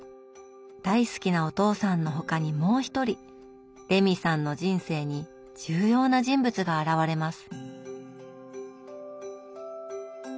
大好きなお父さんの他にもう一人レミさんの人生に重要な人物が現れます。